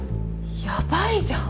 ヤバいじゃん。